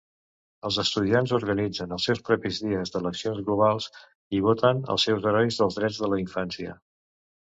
Els estudiants organitzen els seus propis Dies d'Eleccions Globals i voten els seus Herois dels Drets de la Infància.